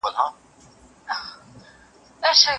وسوځم ایره سم که پر سر لمبه وژل ښه دي